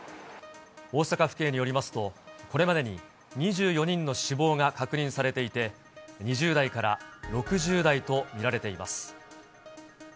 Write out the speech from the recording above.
大阪府警によりますと、これまでに２４人の死亡が確認されていて、２０代から６０代と見られています。